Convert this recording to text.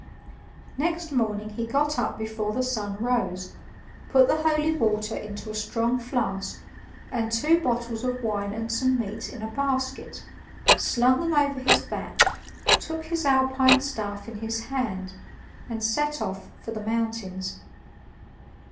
Next morning he got up before the sun rose, put the holy water into a strong flask, and two bottles of wine and some meat in a basket, slung them over his back, took his alpine staff in his hand, and set off for the mountains.